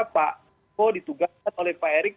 pak jokowi ditugaskan oleh pak erick